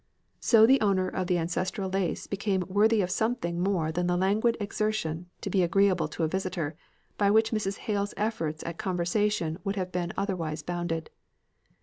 So the owner of the ancestral lace became worthy of something more than the languid exertion to be agreeable to a visitor, by which Mrs. Hale's efforts at conversation would have been otherwise bounded.